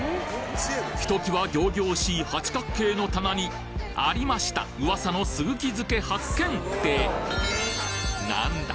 ひときわ仰々しい八角形の棚にありました噂のすぐき漬発見！ってなんだ？